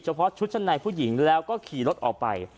เพาะชุดชั้นในผู้หญิงแล้วก็ขี่รถออกไป